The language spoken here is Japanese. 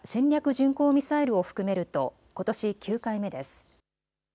巡航ミサイルを含めるとことし９回目です。